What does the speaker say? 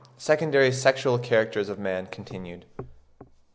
SECONDARY SEXUAL CHARACTERS OF MAN—continued.